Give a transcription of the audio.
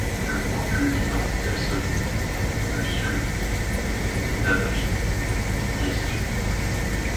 Le point culminant de l'Estonie, le Suur Munamägi, y est situé.